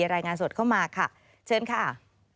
รายงานสดเข้ามาค่ะเชิญค่ะ